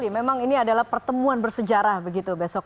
memang ini adalah pertemuan bersejarah begitu besok